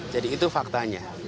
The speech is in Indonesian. jadi itu faktanya